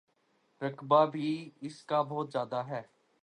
رقبہ بھی اس کا بہت زیادہ ہے۔